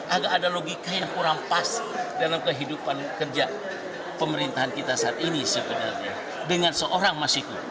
agak ada logika yang kurang pas dalam kehidupan kerja pemerintahan kita saat ini sebenarnya